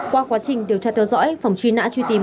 qua quá trình điều tra theo dõi phòng truy nã truy tìm